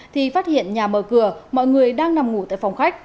thì phát hiện nhà mở cửa mọi người đang nằm ngủ tại phòng khách